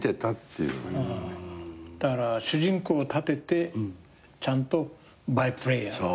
だから主人公を立ててちゃんとバイプレーヤー。